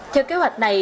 chưa kế hoạch này